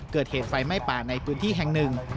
เกิดเหตุไฟไหม้ป่าในพื้นที่แห่งหนึ่ง